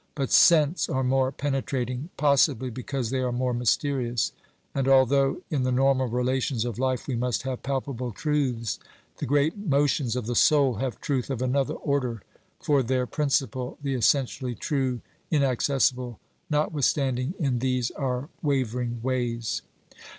But scents are more penetrating, pos sibly because they are more mysterious, and although in the normal relations of life we must have palpable truths, the great motions of the soul have truth of another order for their principle, the essentially true, inaccessible notwith standing in these our wavering ways.